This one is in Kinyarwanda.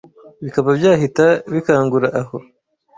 bikaba byahita bikangura aho